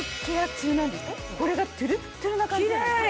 これがトゥルトゥルな感じなんですよ。